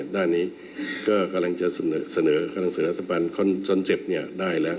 ด้านนี้ก็กำลังจะเสนอศูนย์อัตภัณฑ์สนเสพได้แล้ว